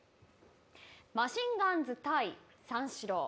マシンガンズ対三四郎。